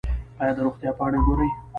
ایا د روغتیا پاڼې ګورئ؟